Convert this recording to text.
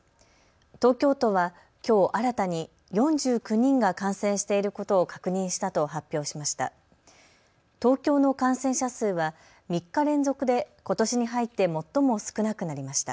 東京都はきょう新たに４９人が感染していることを確認したと発表しました。